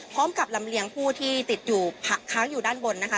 พร้อมกับลำเลียงผู้ที่ติดอยู่ค้างอยู่ด้านบนนะคะ